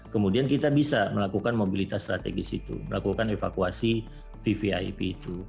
kemudian kita bisa melakukan mobilitas strategis itu melakukan evakuasi vvip itu